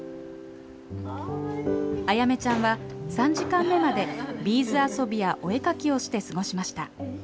あやめちゃんは３時間目までビーズ遊びやお絵描きをして過ごしました。